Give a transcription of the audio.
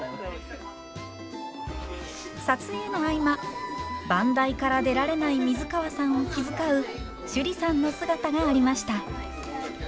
撮影の合間番台から出られない水川さんを気遣う趣里さんの姿がありました。